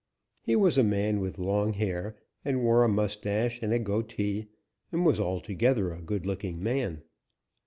He was a man with long hair, and wore a mustache and goatee, and was altogether a good looking man.